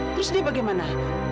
terus dia bagaimana